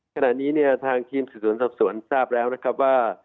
ขณะนี้ทางทีมสุดสนสับสนทราบแล้วนะครับว่า